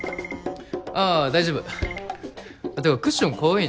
あぁ大丈夫ていうかクッションかわいいね。